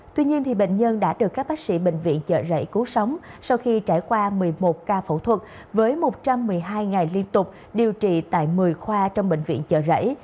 tuy nhiên bệnh nhân đã được các bác sĩ bệnh viện chợ rẫy cứu sống sau khi trải qua một mươi một ca phẫu thuật với một trăm một mươi hai ngày liên tục điều trị tại một mươi khoa trong bệnh viện chợ rẫy